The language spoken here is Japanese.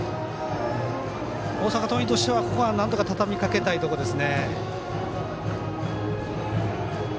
大阪桐蔭としてはここはなんとかたたみかけたいところです。